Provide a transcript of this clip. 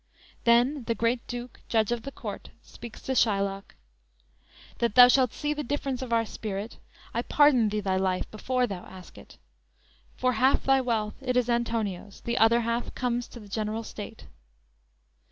"_ Then the great Duke, judge of the court, speaks to Shylock: _"That thou shalt see the difference of our spirit, I pardon thee thy life before thou ask it; For half thy wealth, it is Antonio's, The other half comes to the general state!"